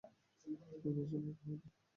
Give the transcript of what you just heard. ঐ মেয়ের সম্পর্কে, হয়তো?